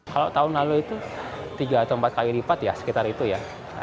kalau tahun lalu itu tiga atau empat kali lipat ya sekitar itu ya